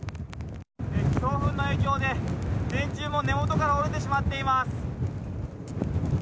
強風の影響で、電柱も根元から折れてしまっています。